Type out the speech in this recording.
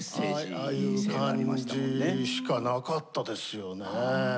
ああいう感じしかなかったですよね。